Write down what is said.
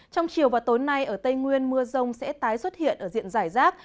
trong chiều và tối nay ở tây nguyên mưa rông sẽ tái xuất hiện ở diện giải rác